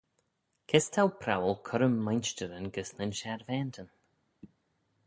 Kys t'ou prowal currym mainshtyryn gys nyn sharvaantyn?